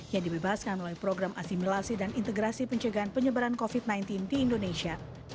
yang dibebaskan melalui program asimilasi dan integrasi pencegahan penyebaran covid sembilan belas di indonesia